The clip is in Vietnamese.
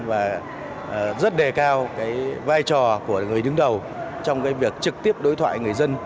và rất đề cao vai trò của người đứng đầu trong việc trực tiếp đối thoại người dân